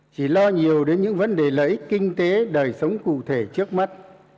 chỉ lo nhiều đến những vấn đề lợi kinh tế đời sống cụ thể trước mắt